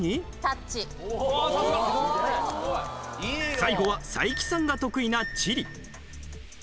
最後は才木さんが得意な地理。